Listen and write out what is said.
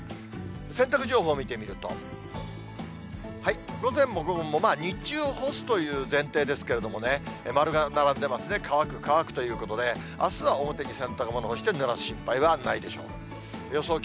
洗濯情報を見てみると、午前も午後も日中、干すという前提ですけれどもね、丸が並んでますね、乾く、乾くということで、あすは表に洗濯物干してぬらす心配はないでしょう。